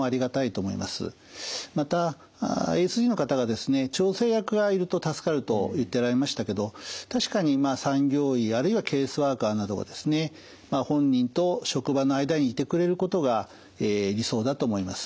またＡＳＤの方がですね調整役がいると助かると言っておられましたけど確かに産業医あるいはケースワーカーなどがですね本人と職場の間にいてくれることが理想だと思います。